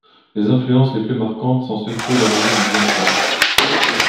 Les influences les plus marquantes sont surtout la musique de James Brown.